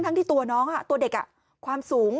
ที่ตัวน้องตัวเด็กความสูง